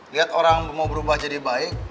lihat orang mau berubah jadi baik